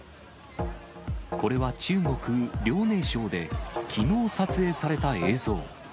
これは中国・遼寧省で、きのう撮影された映像。